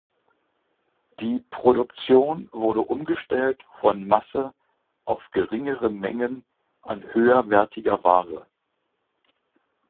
Die Produktion wurde umgestellt von Masse auf geringere Mengen an höherwertiger Ware.